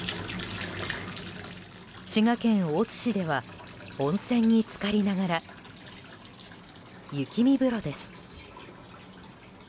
滋賀県大津市では温泉に浸かりながら雪見風呂です。